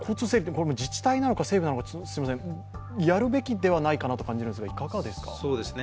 これは自治体なのか政府なのかやるべきではないかなと感じるんですが、いかがですか。